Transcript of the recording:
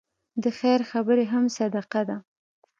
د خیر خبرې هم صدقه ده.